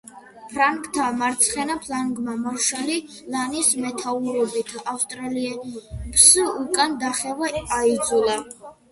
ფრანგთა მარცხენა ფლანგმა, მარშალი ლანის მეთაურობით ავსტრიელებს უკან დახევა აიძულა.